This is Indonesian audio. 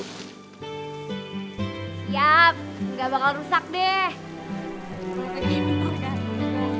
siap ga bakal rusak deh